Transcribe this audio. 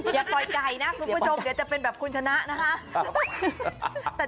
อย่าปล่อยไก่นะคุณผู้ชมเดี๋ยวจะเป็นแบบคุณชนะนะคะ